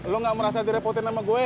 lo gak merasa direpotin sama gue